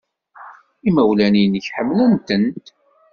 Imawlan-nnek ḥemmlen-tent.